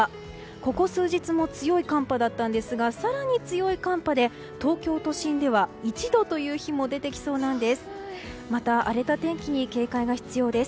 ここ数日も強い寒波だったんですが更に強い寒波で、東京都心では１度という日も出てきそうなんです。